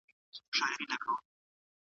چې خپل مسؤلیت وپېژنو.